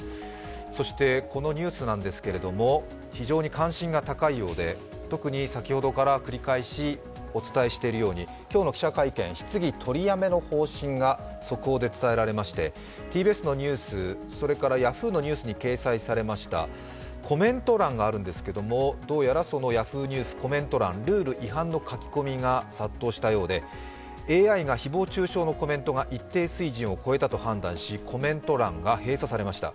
そしてこのニュースなんですけど非常に関心が高いようで特に先ほどから繰り返しお伝えしているように、今日の記者会見、質疑取りやめの方針が速報で伝えられましてＴＢＳのニュース、ヤフーのニュースに掲載されましたコメント欄があるんですけど、どうやらそのＹａｈｏｏ！ニュースルール違反の書き込みが殺到したようで、ＡＩが誹謗中傷のコメントが一定水準を超えたと判断しコメント欄が閉鎖されました。